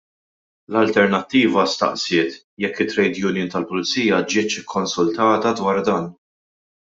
L-Alternattiva saqsiet jekk it-trade union tal-Pulizija ġietx konsultata dwar dan.